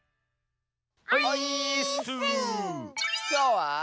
きょうは。